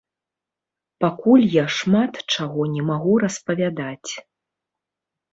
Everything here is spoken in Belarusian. Пакуль я шмат чаго не магу распавядаць.